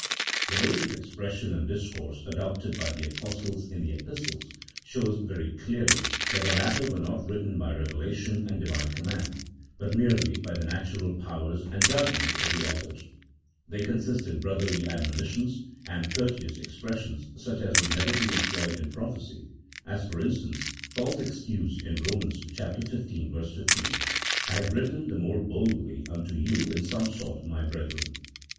The modes of expression and discourse adopted by the Apostles in the Epistles, show very clearly that the latter were not written by revelation and Divine command, but merely by the natural powers and judgment of the authors. They consist in brotherly admonitions and courteous expres sions such as would never be employed in prophecy, as for instance, Paul's excuse in Eomans xv. 15, "I have written the more boldly unto you in some sort, my brethren."